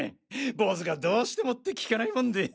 ボウズがどうしてもって聞かないもんで。